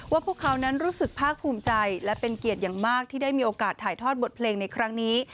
พวกเขานั้นรู้สึกภาคภูมิใจและเป็นเกียรติอย่างมากที่ได้มีโอกาสถ่ายทอดบทเพลงในครั้งนี้